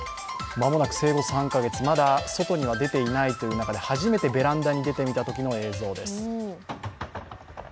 間もなく生後３カ月まだ外には出ていないという中で初めてベランダに出てみたときの映像です。